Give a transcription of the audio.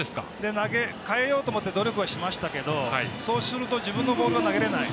変えようと思って努力はしましたけどそうすると自分のボールが投げれない。